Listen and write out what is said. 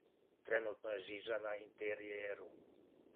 Тренутно је жижа на интеријеру.